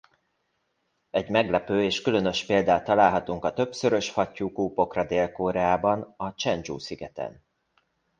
Egy meglepő és különös példát találhatunk a többszörös fattyú kúpokra Dél-Koreában a Csedzsu-szigeten.